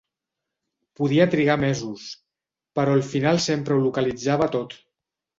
Podia trigar mesos, però al final sempre ho localitzava tot.